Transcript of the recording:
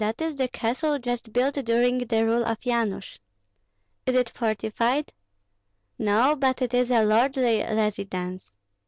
"That is the castle just built during the rule of Yanush." "Is it fortified?" "No, but it is a lordly residence.